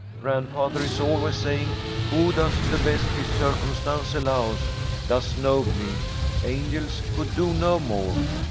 Grandfather is always saying, 'Who does the best his circumstance allows, does nobly. Angels could do no more.'"